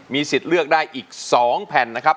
สิทธิ์เลือกได้อีก๒แผ่นนะครับ